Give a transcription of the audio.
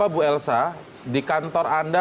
bu elsa di kantor anda